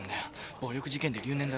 暴力事件で留年だろ。